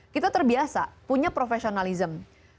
kita terbiasa punya profesionalism